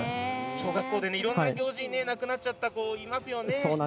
小学校でいろんな行事がなくなったりしますよね。